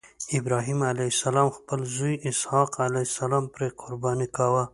ابراهیم علیه السلام خپل زوی اسحق علیه السلام پرې قرباني کاوه.